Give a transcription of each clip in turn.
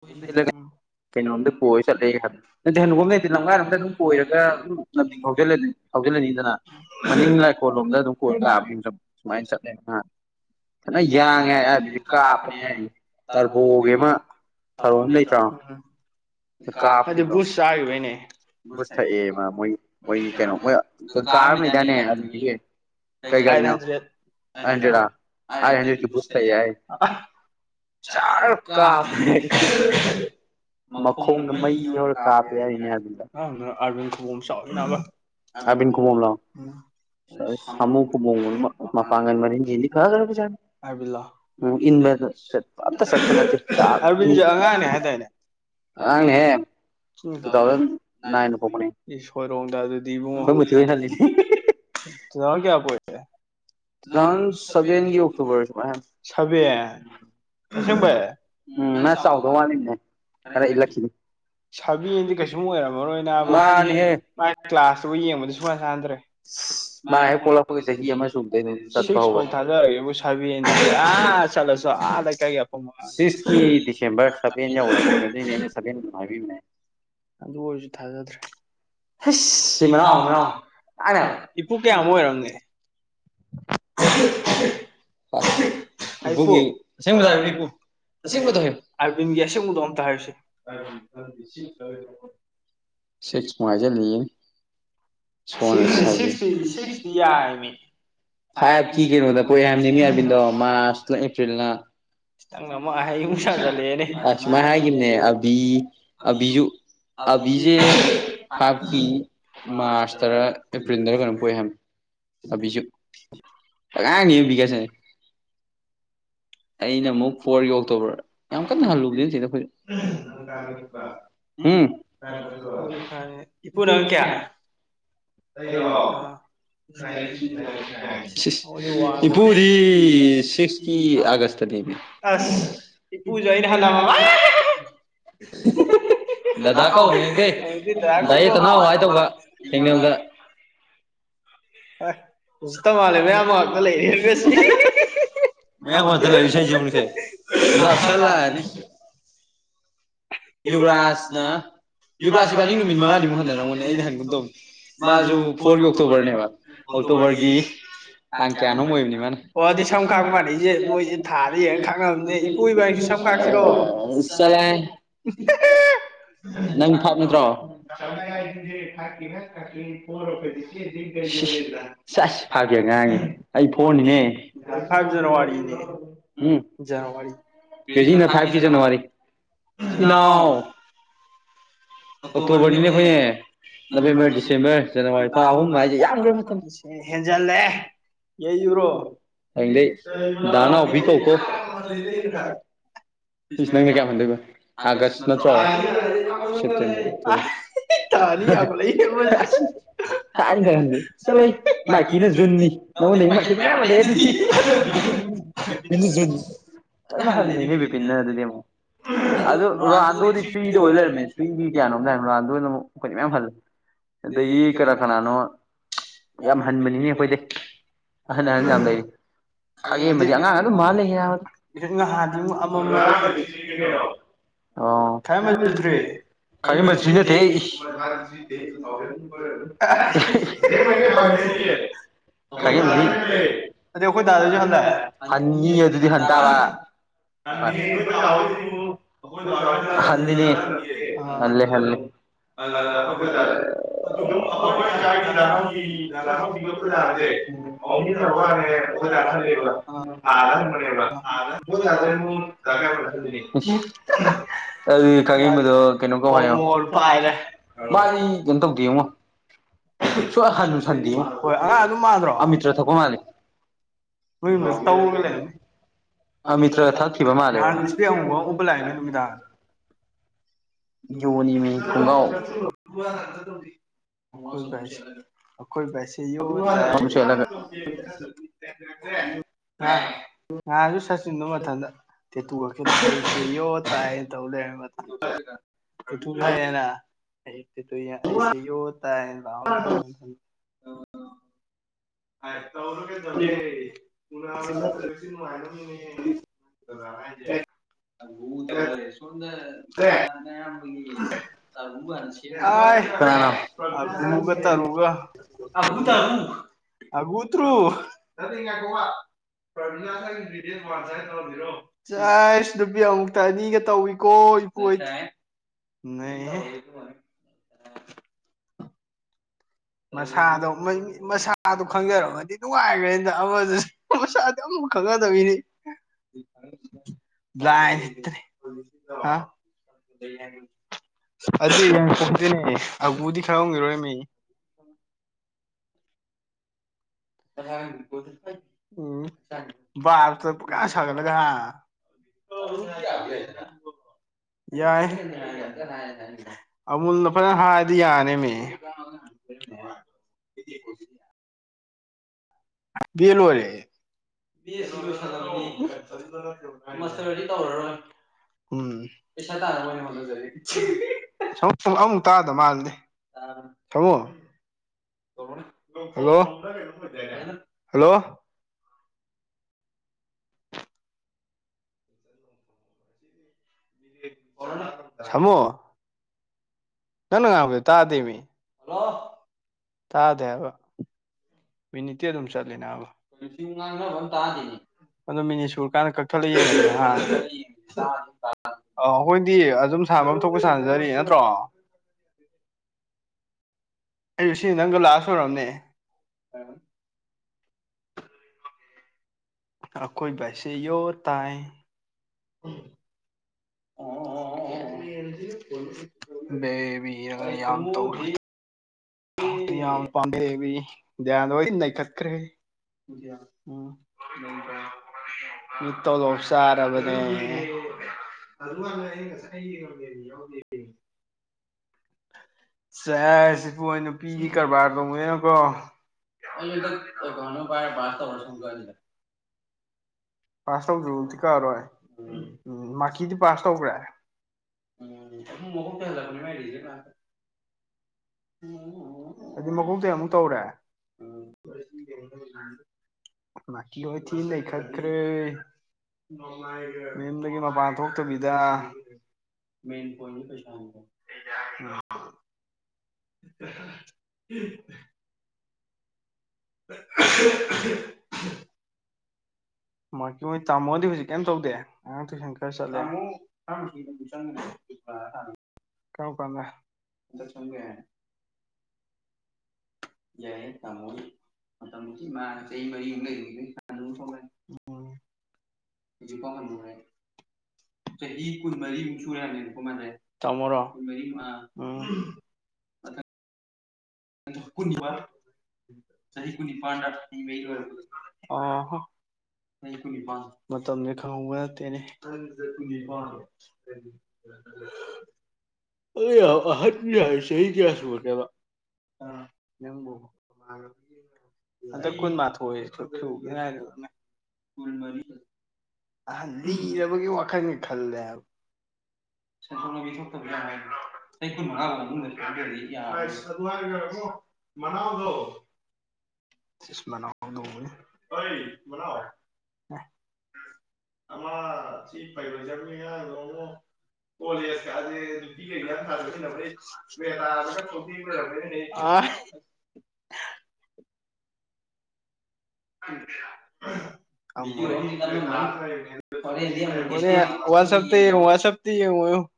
ꯍꯣꯏ ꯍ ꯀꯩꯅꯣꯝꯇ ꯀꯣꯏꯔ ꯆꯠꯂꯦ ꯍꯥꯏꯕ ꯅꯪ ꯍꯩꯅꯝ ꯂꯩꯇꯦ ꯂꯝꯒꯥꯏ ꯑꯝꯇ ꯑꯗꯨꯝ ꯀꯣꯏꯔꯒ ꯑꯗꯨꯝ ꯂꯝꯕꯤ ꯂꯝꯗꯤꯡ ꯐꯥꯎꯖꯤꯜꯂ ꯑꯗꯨꯅꯤ ꯐꯥꯎꯖꯤꯜꯂꯅꯤꯗꯅ ꯍꯧꯖꯤꯜꯂꯅꯤꯗꯅ ꯃꯅꯤꯡ ꯂꯥꯏꯈꯣꯜ ꯂꯥꯏꯀꯣꯜꯂꯣꯝꯗ ꯂꯣꯝꯗ ꯑꯗꯨꯝ ꯀꯣꯏꯔ ꯂꯥꯛꯑꯕ ꯂꯥꯛꯑꯕꯅꯤ ꯑꯗꯨꯃꯥꯏꯅ ꯁꯨꯃꯥꯏꯅ ꯆꯠꯂꯦ ꯆꯠꯂꯦꯍ ꯐꯖꯅ ꯌꯥꯡꯉꯦ ꯍꯥꯏꯕꯗꯤ ꯀꯥꯞꯄꯅꯦ ꯍꯥꯏ ꯇꯔꯕꯣꯒꯤ ꯑꯃ ꯊꯧꯔꯝ ꯑꯃ ꯂꯩꯇ꯭ꯔꯣ ꯀꯥꯞ ꯍꯥꯏꯗꯤ ꯕꯨꯁ ꯆꯥꯔꯤꯕꯩꯅꯦ ꯕꯨꯁ ꯊꯛꯑꯦꯕ ꯃꯣꯏ ꯃꯣꯏꯒꯤ ꯀꯩꯅꯣ ꯃꯣꯏ ꯁ ꯀꯥꯔ ꯑꯃ ꯂꯩꯗꯥꯏꯅꯦ ꯀꯥꯔꯃꯤꯗꯥꯅꯤ ꯑꯗꯨꯗꯒꯤ ꯀꯩ ꯒꯥꯔꯤꯅꯣ ꯑꯥꯏ ꯍꯟꯗ꯭ꯔꯦꯗꯂꯥ ꯑꯥꯏ ꯍꯟꯗ꯭ꯔꯦꯗꯀꯤ ꯕꯨꯁ ꯊꯛꯑꯦ ꯍꯥꯏ [unintelligible] ꯖꯔ ꯀꯥꯞꯄꯦ ꯍꯥꯏ [unintelligible] ꯃꯈꯣꯡꯅ ꯃꯈꯣꯡꯗ ꯃꯩ ꯌꯥꯔ ꯍꯧꯔ ꯀꯥꯞꯄꯦ ꯍꯥꯏꯔꯤꯅꯦ ꯍꯥꯏꯅꯤꯅ ꯑꯥꯔꯕꯤꯟꯗꯣ ꯑꯔꯕꯤꯟ ꯀꯕ ꯆꯥꯎꯅꯥꯔꯕ ꯑꯥꯔꯕꯤꯟ ꯑꯔꯕꯤꯟ ꯈꯨꯕꯣꯝꯂꯣ ꯁꯥꯃꯨ ꯈꯨꯕꯣꯡ ꯃꯄꯥꯡꯒꯜ ꯃꯔꯤꯟꯁꯤꯗꯤ ꯐꯈ꯭ꯔꯕꯖꯥꯠꯅꯤ ꯔꯣ ꯎꯝ ꯏꯟꯕꯗ ꯆꯠꯄ ꯑꯝꯇ ꯆꯠꯄ ꯅꯠꯇꯦ [unintelligible] ꯔꯁꯦ ꯑꯉꯥꯡꯅꯦ ꯍꯥꯏꯇꯥꯔꯅꯦ ꯑꯉꯥꯡꯅꯦ ꯑꯉꯥꯡꯅꯦꯍꯦ ꯇꯨ ꯊꯥꯎꯖꯟ ꯅꯥꯏ ꯅꯥꯏꯟꯗ ꯐ ꯄꯣꯛꯄꯅꯦ ꯏꯁ ꯁꯣꯏꯔꯣꯝꯗ ꯑꯗꯨꯗꯤ ꯏꯕꯨꯡꯉꯣ ꯑꯩꯈꯣꯏ ꯃꯨꯊꯤ ꯍꯣꯏ ꯍꯜꯂꯤꯅꯦ ꯇꯨ ꯆꯤꯖꯥꯛ ꯀꯌꯥ ꯄꯣꯏꯔꯦ ꯊꯥꯎꯖꯟ ꯁꯚꯦꯟꯒꯤ ꯑꯣꯛꯇꯣꯕꯔ ꯁꯨꯃꯥꯏꯅ ꯁꯥꯕꯦꯟ ꯑꯁꯦꯡꯕꯩ ꯅ ꯆꯥꯎꯗ ꯋꯥꯠꯂꯤꯅꯦ ꯈꯔ ꯏꯜꯂꯛꯈꯤꯅꯤ ꯁꯕꯦꯟꯗꯤ ꯀꯩꯁꯨꯝ ꯑꯣꯏꯔꯝꯃꯔꯣꯏ ꯕ ꯃꯥꯅꯦꯍꯦ ꯃꯥꯒꯤ ꯀ꯭ꯂꯥꯁꯇꯕꯨ ꯌꯦꯡꯕꯗꯤ ꯁꯨꯃꯥꯏꯅ ꯆꯥꯟꯅꯗ꯭ꯔꯦ [inaudible] ꯃꯥ ꯍꯦ ꯄꯣꯂꯥ ꯐꯣꯒ ꯆꯒ ꯑꯃ ꯁꯨꯗꯅ ꯁꯠꯚꯥꯎ ꯁꯤꯛꯁ ꯐꯥꯎ ꯑꯣꯏꯔ ꯊꯥꯗꯔꯒꯦꯕꯨ ꯁꯥꯕꯦꯟꯗꯨꯗꯤ ꯑꯥ ꯆꯠꯂꯁꯨ ꯑꯥ ꯂꯩꯀꯥꯏꯒꯤ ꯑꯐꯪ ꯑꯥꯗ ꯁꯤꯁꯀꯤ ꯗꯤꯁꯦꯝꯕꯔ ꯁ ꯌꯥ ꯁꯃꯕꯤ ꯑꯗꯨ ꯑꯣꯏꯔꯁꯨ ꯊꯥꯖꯗ꯭ꯔꯦ ꯍꯩꯁ ꯁꯤ ꯃꯅꯥꯎ ꯁꯤꯃꯅꯥꯎ ꯂꯥꯡꯅꯦ ꯍꯥꯏꯕ ꯃꯅꯥꯎ ꯏꯄꯨ ꯀꯌꯥꯃ ꯑꯣꯏꯔꯝꯒꯦ ꯍꯩꯄꯨ ꯒꯤ ꯁꯦꯝꯗ ꯏ ꯄꯨ ꯀ ꯃꯗꯍ ꯑꯥꯔꯕꯤꯟꯒꯤ ꯑꯁꯦꯡꯕꯗꯣ ꯑꯝꯇ ꯍꯥꯏꯔꯨꯁꯦ ꯁꯤꯠꯁ ꯃꯉꯥꯏꯖ ꯂꯩ ꯁꯣꯅ ꯁꯤꯛꯁ ꯁꯤꯛꯁꯇꯤ ꯁꯤꯛꯁꯇꯤ ꯌꯥꯔꯤꯃꯤ ꯍꯥꯏ ꯐꯥꯏꯚ ꯀꯤ ꯀꯤꯒꯤꯅꯣꯗ ꯀꯩꯅꯣꯗ ꯀꯣꯏꯔꯝꯅꯤꯅꯦ ꯄꯣꯦꯕꯅꯤꯃꯤ ꯑꯗꯨꯗ ꯌꯥꯕꯤꯟꯗꯣ ꯃꯥꯁ ꯃꯥꯔꯆꯅ ꯑꯦꯄ꯭ꯔꯤꯜꯅ ꯈꯤꯇꯪ ꯑꯃ ꯑꯍꯩ ꯑꯃꯨꯛ ꯁꯥꯖꯜꯂꯛꯑꯦꯅꯦ ꯁꯨꯃꯥꯏ ꯄꯁꯃ ꯍꯥꯏꯒꯤꯅꯦ ꯍꯥꯏꯒꯤꯕꯅꯦ ꯑꯕꯤ ꯑꯕꯤꯖꯨ ꯑꯕꯤꯁꯨ ꯑꯕꯤꯖꯦ ꯑꯕꯤꯁꯦ ꯐꯥꯏꯚꯀꯤ ꯃꯥꯔꯁꯇꯔ ꯑꯦꯄ꯭ꯔꯤꯜꯗꯔ ꯀꯩꯅꯣꯝ ꯄꯣꯛꯑꯦ ꯍꯥꯏ ꯑꯉꯥꯡꯅꯦ ꯑꯖꯨ ꯀꯤꯒꯦꯁ ꯑꯕꯤꯒꯁꯦ ꯑꯩꯅ ꯑꯃꯨꯛ ꯐꯣꯔ ꯐꯣꯔꯒꯤ ꯌꯧꯊꯣꯔꯛ ꯑꯣꯛꯇꯣꯕꯔ ꯌꯥꯝ ꯅꯈꯣꯏꯅ ꯀꯟꯅ ꯍꯥꯟꯅꯕꯨꯗꯤ ꯍꯜꯂꯨꯕꯗꯦ ꯅ ꯁꯤꯗ ꯅꯠꯇꯦꯗ ꯑꯩꯈꯣꯏ ꯅꯪ ꯀꯥꯏ ꯆꯠꯇꯨꯕ ꯎꯝ ꯀꯥꯏ ꯆꯠꯇꯨꯕ ꯑꯩꯈꯣꯏ ꯐꯅꯤ ꯏꯄꯨ ꯅꯪ ꯀꯌꯥ ꯑꯩ ꯑꯩꯔꯣ ꯋꯥꯥꯎ ꯑꯥ ꯅꯥꯏꯟꯇꯤꯟ ꯅꯥꯏꯟꯇꯤ ꯅꯥꯏꯟ ꯑꯩꯈꯣꯏꯗꯤ ꯌꯥꯥꯏꯁꯤꯁꯤ ꯋꯥꯟꯗ ꯐꯨꯗꯤ ꯏꯄꯨꯗꯤ ꯁꯤꯛꯁꯇꯤ ꯁꯤꯛꯁꯀꯤ ꯑꯥ ꯑꯥꯒꯁ ꯑꯁ ꯏꯄꯨꯖꯨ ꯑꯩꯅ ꯍꯜꯂꯝꯃꯕ [inaudible] ꯗꯗꯥ ꯀꯧ ꯍꯌꯦꯡꯗꯤ ꯗꯥꯏꯌꯦ ꯇꯅꯥꯎ ꯍꯥꯏ ꯇꯧꯕ [inaudible] ꯎꯁꯤꯠꯇ ꯃꯥꯜꯂꯦ ꯃꯌꯥꯝ ꯃꯔꯛꯇ ꯂꯩꯔꯦꯒꯁꯤ [inaudible] ꯃꯌꯥꯝ ꯀꯗꯂꯁꯥꯏꯖꯁꯦ ꯂꯞꯁꯜꯂ ꯂꯥꯛꯑꯅꯤ ꯌꯨꯕꯔꯥꯖꯅ ꯌꯨꯕꯔꯥꯖ ꯌꯨꯕꯔꯥꯖꯁꯤ ꯏꯕꯥꯅꯤ ꯄꯕꯥꯅꯤꯡ ꯅꯨꯃꯤꯠ ꯃꯉꯥꯅꯤꯃꯨꯛ ꯍꯪꯅꯔꯝꯕꯅꯦ ꯍꯟꯅꯔꯝꯒꯅꯤ ꯑꯩꯅ ꯍꯟꯒꯨꯝ ꯍꯥꯏꯕꯗꯣ ꯇꯧꯅꯦ ꯃꯥꯁꯨ ꯐꯣꯔꯒꯤ ꯑꯣꯛꯇꯣꯕꯔꯅꯦꯕ ꯑꯣꯛꯇꯣꯕꯔꯒꯤ ꯑ ꯇꯥꯡ ꯀꯌꯥꯅꯣꯝ ꯀꯌꯥꯅꯣ ꯃ ꯑꯣꯏꯕꯅꯤ ꯏꯅꯤ ꯃꯥꯅ ꯃꯅꯦ ꯑꯣ ꯑꯗꯨꯗꯤ ꯁꯝ ꯈꯥꯛꯄ ꯃꯥꯟꯅꯩꯁꯦ ꯃꯣꯏꯁꯦ ꯊꯥꯗ ꯌꯦꯡꯉ ꯈꯥꯛꯅꯕꯅꯦ ꯏꯄꯨ ꯏꯕꯥꯅꯤꯁꯨ ꯁꯝ ꯈꯥꯛꯁꯤꯔꯣ ꯆꯠꯂꯣꯍꯦ ꯁꯂꯥꯏ ꯅꯪ ꯐꯥꯞ ꯅꯠꯇ꯭ꯔꯣ ꯑꯩ ꯆꯥꯏꯦ ꯊ ꯐ ꯑꯁ ꯐꯥꯒꯦ ꯉꯔꯥꯡꯅꯦ ꯑꯩ ꯐꯣꯔꯅꯤꯅꯦ ꯐꯣꯟꯅꯤꯅꯦ ꯎꯝ ꯖꯅꯋꯥꯔꯤ ꯀꯦꯖꯤꯅ ꯐꯥꯏꯚꯀꯤ ꯖꯅꯋꯥꯔꯤ ꯏ ꯏꯅꯥꯎ ꯑꯣꯛꯇꯣꯕꯔꯅꯤꯅꯦ ꯑꯩꯈꯣꯏꯅꯦ ꯅꯕꯦꯝꯕꯔ ꯗꯤꯁꯦꯝꯕꯔ ꯖꯅꯋꯥꯔꯤ ꯊꯥ ꯑꯍꯨꯝ ꯍꯥꯏꯁꯦ ꯌꯥꯝꯈ꯭ꯔꯦ ꯃꯇꯝ ꯍꯦꯟꯖꯜꯂꯦ ꯌꯩꯌꯨꯔꯣ ꯑꯗ ꯅ ꯑꯣꯕꯤ ꯀꯣꯀꯣ ꯐꯤꯁ ꯅꯪꯅ ꯀꯌꯥꯝ ꯍꯟꯊꯣꯏꯕ ꯁ ꯁꯦꯞꯇꯦꯝꯕꯔ ꯑꯣꯛꯇꯣꯕꯔ ꯇꯥꯅꯤ ꯑꯒ ꯂꯩꯕ ꯑꯁ ꯊꯥꯏꯅ ꯀꯌꯥ ꯍꯟꯗꯣꯏ ꯆꯠꯂꯣꯍꯦ ꯃꯥꯏꯀꯤꯅ ꯃꯥꯏꯅꯣꯏꯅꯤ ꯖꯨꯟꯅꯤ ꯅꯉꯣꯟꯗꯒꯤ ꯅꯪꯉꯣꯟꯗꯒꯤ ꯃꯥꯏꯀ ꯃꯥꯏꯀꯤꯅ ꯃꯌꯥꯝ ꯍꯜꯂꯛꯑꯦ ꯑꯗꯨꯗꯤ ꯃꯥꯟꯅꯩ ꯅꯤ ꯕꯤꯄꯤꯟꯅ ꯗꯤꯔ ꯖꯨꯟ ꯐꯖꯅ ꯍꯜꯂꯦꯅꯦ ꯕꯤꯄꯤꯟꯅ ꯑꯗꯨꯗꯤ ꯑꯃꯨꯛ ꯑꯗꯨ ꯀꯌꯥꯅꯣꯝ ꯍꯥꯏꯕꯅꯣ ꯑꯗꯨ ꯑꯃ ꯑꯩꯈꯣꯏ ꯃꯌꯥꯝ ꯍꯜꯂꯦ ꯑꯗꯒꯤ ꯀꯅꯥ ꯀꯅꯥꯅꯣ ꯌꯥꯝ ꯍꯟꯕꯅꯤꯅꯦ ꯑꯩꯈꯣꯏꯗꯩ ꯑꯍꯟ ꯑꯍꯟ ꯌꯥꯝ ꯂꯩꯔꯤ ꯈꯥꯒꯦ ꯈꯥꯒꯦꯝꯕꯗꯤ ꯃꯗꯤ ꯑꯉꯥꯡ ꯑꯗꯨꯝ ꯃꯥꯜ ꯃꯥꯜꯂ ꯂꯩꯌꯦ ꯍꯥꯏꯕ ꯅꯍꯥꯟꯗꯤ ꯑꯃꯨꯛ ꯑꯃꯝ ꯃꯔꯛꯇ ꯑꯣ [inaudible] ꯈꯥꯒꯦꯝꯕꯁꯨ ꯅꯠꯇꯦ ꯏꯁ ꯐ ꯈꯥꯒꯦꯝꯕꯗꯤ ꯑꯗꯨꯗꯈꯣꯏ ꯗꯗꯥꯗꯖꯤ ꯍꯟꯗ ꯍꯟꯅꯤ ꯑꯗꯨꯗꯤ ꯍꯟ ꯇꯥꯕ ꯂꯋꯥꯗꯣꯏꯦ ꯑꯂꯦ ꯍꯂꯦ ꯑꯗ ꯑꯩꯈꯣꯏ ꯗꯥꯗꯤ ꯇꯥꯦ ꯑꯗꯨꯝ ꯑꯩꯈꯣꯏ ꯁꯥꯏꯒꯤ ꯗꯥ ꯏꯁꯒꯤ ꯅꯥꯎꯆꯤ ꯗꯥ ꯔ ꯅꯥꯎꯆꯤꯒ ꯅꯣꯁꯤꯡꯒꯄ ꯑꯩꯈꯣꯏ ꯗꯥꯒꯁꯦ ꯇꯥꯔꯁꯦ ꯑꯥꯎꯅꯤ ꯊ ꯍꯧꯃꯤꯟꯅꯕ ꯍ ꯋꯥ ꯋꯥꯅꯦ ꯑꯩꯈꯣꯏ ꯗꯥꯅ ꯑꯅꯟ ꯍꯜꯂꯦꯕ ꯂꯩ ꯑꯔꯝ ꯃꯅꯤꯕ ꯑꯥꯗ ꯑꯩꯈꯣꯏ ꯆꯗ ꯗꯥꯗꯩ ꯑꯃꯨꯛ ꯀ ꯗꯥ ꯀꯥꯏ ꯄ ꯀꯥꯏꯃꯅ ꯑꯗꯨꯗꯤ ꯈꯪꯉꯡꯕꯗꯣ ꯀꯩꯅꯣ ꯍꯜꯂꯤꯅꯦ ꯀꯧ ꯍꯥꯏꯌꯣ ꯑꯣꯃꯣꯔ ꯄꯥꯏꯔꯦ ꯃꯥꯗꯤ ꯀꯩꯅꯣ ꯇꯧꯗꯦꯃꯣ ꯍꯣꯏ ꯑꯉꯥꯡ ꯑꯗꯨꯝ ꯃꯥꯗ꯭ꯔꯣ ꯑꯃꯤꯇ꯭ꯔ ꯊꯛꯄ ꯃꯥꯜꯂꯤ ꯅꯁꯨ ꯇꯧꯔꯒ ꯂꯩꯔꯃꯤ ꯑꯃꯤꯇ꯭ꯔꯒ ꯊꯛꯈꯤꯕ ꯃꯥꯜꯂꯦꯕ ꯄꯤ ꯑ ꯎꯕ ꯂꯃꯤ ꯅꯨꯃꯤꯗꯥ ꯌꯖꯣꯅꯤ ꯃ ꯀꯕꯑꯣ ꯍꯔꯒ ꯇꯧꯗꯤ ꯈꯣꯏꯁꯈꯣꯏ ꯁ ꯌꯇꯥ ꯑꯃ ꯁꯦꯠꯂꯒ ꯭ꯔꯦ ꯉꯍꯥꯁꯨ ꯁꯆꯤꯟꯗꯨ ꯃꯊꯗ ꯇꯦꯇꯨ ꯀꯛꯣ ꯇꯥꯏꯅ ꯇꯧ ꯂꯩꯔ ꯌꯦꯦꯅ ꯑꯩꯁ ꯌꯣ ꯂꯥꯎ ꯍꯥꯏꯣ ꯆꯒꯦ ꯄꯨꯅꯅ ꯁꯁꯤ ꯗꯧꯦ ꯁꯗ ꯇꯁꯤ ꯀꯅꯥꯅꯣ ꯑꯒ ꯇꯔꯨꯒ ꯑꯨ ꯇꯔꯨ ꯠꯇ꯭ꯔꯣ ꯅ ꯇꯧꯔꯣ ꯆꯥꯏꯁ ꯅꯨꯄꯤ ꯑꯃꯨꯛꯇ ꯑꯅꯤꯒ ꯇꯧꯏꯀꯣ ꯏꯄꯨ ꯅ ꯃꯁꯥꯗꯣ ꯃꯁꯥꯗꯣ ꯈꯪꯖꯔꯃꯗꯤ ꯅꯨꯡꯉꯥꯏꯈ꯭ꯔꯦꯗ ꯑꯃꯗꯨ ꯃ ꯁꯥꯥꯗꯛ ꯈꯒꯗꯧꯅꯤ ꯦ ꯑꯗꯨ ꯌꯥꯝ ꯀꯣꯝꯗꯦꯅꯦ ꯑꯕꯨꯗꯤ ꯈꯔ ꯍꯣꯡꯈꯤꯔꯣꯏꯔꯝꯃꯦ ꯎ ꯎꯝ ꯔ ꯆ ꯀꯥꯏ ꯁꯒꯂꯒ ꯌꯥ ꯑꯃꯨꯜꯅ ꯐꯖꯅ ꯍꯥꯏꯗꯤ ꯌꯥꯅꯤꯃꯦ ꯂ ꯑꯣꯏꯔꯦ [unintelligible] ꯩ ꯇ ꯑꯃꯨꯛ ꯇꯥꯗ ꯃꯥꯜꯂꯅꯤ ꯊꯃꯣ ꯍꯜꯂꯣ ꯍꯜꯂꯣ ꯊꯃꯣ ꯀꯟꯅ ꯉꯥꯏꯕꯗ ꯇꯥꯗꯦ ꯃꯤ ꯇꯥꯗꯦ ꯍꯥꯏꯕ ꯃꯤꯅꯤꯠꯇꯤ ꯑꯗꯨꯝ ꯆꯠꯂꯦꯅꯦꯕ ꯑꯗꯣ ꯃꯤꯅꯤꯠ ꯁꯨꯔꯀꯥꯟꯗ ꯀꯛꯊꯠꯂꯛꯏ ꯌꯦ ꯑ ꯑꯩꯈꯣꯏꯗꯤ ꯑꯗꯨꯝ ꯁꯥꯟꯐꯝ ꯑ ꯊꯣꯛꯄ ꯁꯥꯟꯅꯖꯔꯤ ꯅꯠꯇ꯭ꯔꯣ ꯑꯩ ꯁꯤ ꯅꯪ ꯒꯂꯥꯁ ꯑꯣꯏꯔꯕꯝꯅꯦ ꯑꯀꯣꯏꯕꯁꯦ ꯌꯣꯠ ꯇꯥꯏ ꯎꯝ ꯑꯣ ꯦꯕꯤꯔ ꯌꯥꯝ ꯇꯧ ꯄꯥꯗ ꯏ ꯈꯀ ꯎꯝ ꯃꯤꯠꯇꯧꯗ ꯍꯁꯔꯕꯅꯦ ꯑꯗꯨ ꯃꯥ ꯌꯦ ꯆ ꯌꯥꯎ ꯁꯦ ꯁꯤꯕꯨ ꯅꯨꯄꯤꯒꯤ ꯀꯔꯕꯥꯔ ꯇꯧꯉꯅꯀꯣ ꯑꯩꯩꯅ ꯄꯥꯏ ꯄꯥꯁꯇ ꯋꯥꯔꯁ ꯄꯥꯁ ꯇꯧꯖꯗꯤꯤ ꯀꯥꯔꯣꯏ ꯎꯝ ꯃꯥꯗꯤ ꯄꯥꯁ ꯇꯧꯕ꯭ꯔꯦ ꯎ ꯑꯗꯨꯗꯤ ꯃꯀꯣꯛꯇ ꯑꯃꯨꯛ ꯇꯧꯔꯦ ꯎ ꯀꯤ ꯋꯥ ꯊ ꯅ ꯈꯇꯔꯦ ꯌꯨꯝꯗꯒꯤ ꯃꯄꯥꯟ ꯊꯣꯛꯇꯕꯤꯗ ꯃ ꯄꯟ ꯄꯩꯁ ꯎ [inaudible] ꯃꯥ ꯃꯣꯏ ꯇꯥꯃꯣꯗꯤ ꯍꯧꯖꯤꯛ ꯀꯩꯝ ꯇꯧꯗꯦ ꯑꯉꯥꯡ ꯇꯨꯏꯁꯟ ꯈꯔ ꯆꯠꯂꯦ ꯊꯥꯡ ꯆ ꯀꯥꯎ ꯀ ꯆꯥꯡ ꯌꯥꯏ ꯇꯃꯣꯔꯤ ꯃꯣꯇ ꯃꯣꯇꯤ ꯃꯥ ꯆꯍꯤ ꯃꯔꯤꯃꯨꯛ ꯂꯩꯔꯤꯅꯤꯅꯤ ꯍꯧꯖꯤꯄꯥ ꯃꯔꯦ ꯆꯍꯤ ꯀꯨꯟꯃꯔꯤꯃꯨꯛ ꯁꯨꯔꯦꯃꯦꯅꯀꯣ ꯃꯥꯃꯨꯔꯤ ꯎꯝ ꯅ ꯀꯟ ꯋꯥ ꯀꯨ ꯄꯔ ꯀꯨꯅꯤꯄꯜ ꯃꯇꯝꯁ ꯈꯪꯍꯕ ꯅꯠꯇꯦꯅꯦꯅꯤ ꯑ ꯑꯍꯠꯃꯤ ꯍꯥꯏꯁ ꯀꯌꯥꯁꯨ ꯀꯦꯗ ꯑ ꯅꯝꯕꯣ ꯑꯗ ꯀꯨꯟ ꯃꯥꯊ ꯑꯣꯏ ꯐ ꯃ ꯑꯍ ꯂꯤꯔꯕꯒꯤ ꯋꯥꯈꯜꯅꯤ ꯈꯜꯂꯦ ꯍꯥꯏꯕ ꯁꯟꯊꯣꯛ ꯂꯝꯕꯤ ꯊꯣꯛꯇꯕ ꯌꯥ ꯑꯩꯗꯤ ꯋꯥ ꯃꯅꯥꯗꯣ [inaudible] ꯑꯃ ꯁꯤ ꯄꯕꯖꯟ ꯌꯥ ꯂ ꯀꯣꯂ ꯔꯔꯦꯦꯗꯥ ꯑ ꯑ ꯋꯥꯁꯞꯇ ꯋꯥꯁꯞꯇ ꯌꯦ ꯏꯣ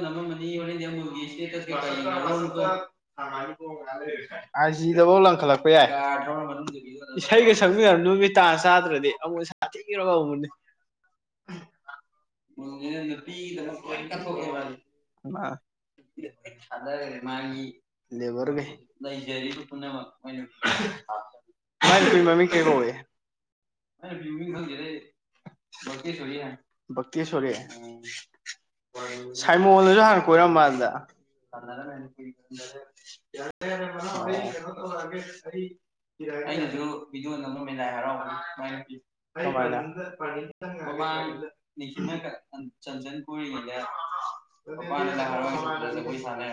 ꯅ ꯃꯅꯤ ꯋꯥꯦ ꯏꯁꯦ ꯑꯖꯤꯗꯐꯧ ꯂꯪꯈꯠꯂꯛꯄ ꯌꯥꯏ ꯏꯁꯩꯒ ꯁꯛꯃꯤꯟꯅ ꯅꯨꯃꯤꯠ ꯇꯥ ꯆꯥꯗ꯭ꯔꯗꯤ ꯑꯃꯨꯛ ꯁꯥ ꯊꯦꯡꯈ꯭ꯔꯒꯕꯅꯤ ꯅꯊ ꯊꯥꯗꯔꯔꯦ ꯃꯥꯒꯤ ꯂꯦꯕꯔꯒꯩ ꯂꯩꯖꯔꯤ ꯄꯨꯝꯅꯃꯛ ꯃꯥꯥꯏ ꯇꯃꯃꯤ ꯀꯩ ꯀꯧꯦ ꯀꯁ ꯁꯥꯏꯃꯣꯟꯅꯁꯨ ꯍꯥꯟꯅ ꯀꯣꯏꯔꯝꯃꯥꯟꯗ [inaudible] ꯚꯗꯤꯑꯣ ꯑꯃ ꯃꯂꯥꯏ ꯍꯔꯥꯎꯕꯅꯤ ꯁꯃꯥꯏꯅ ꯅꯤꯅ ꯀ ꯆꯟꯖꯟ ꯀꯣꯂ ꯔ ꯄꯩꯁꯥꯅ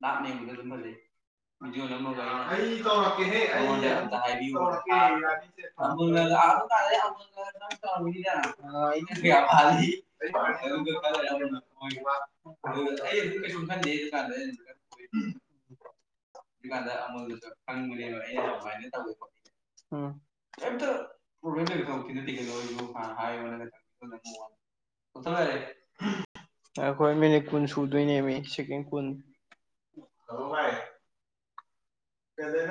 ꯂꯅꯦꯗꯦ [inaudible] ꯑꯔꯦ [inaudible] ꯀꯩ ꯈ ꯀ ꯀꯅꯤꯡ ꯃꯔꯤ ꯝ ꯌꯥꯝꯇ ꯍꯥꯏ ꯑꯩꯈꯣꯏ ꯃꯤꯅꯤꯠ ꯀꯨꯟ ꯁꯨꯗꯣꯏꯅꯦꯃꯤ ꯁꯦꯀꯦꯟ ꯀꯨꯟ ꯑꯗꯨ ꯀꯩꯗꯅ